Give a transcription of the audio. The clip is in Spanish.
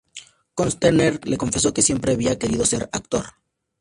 Costner le confesó que siempre había querido ser actor.